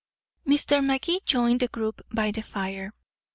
Mr. Magee joined the group by the fire.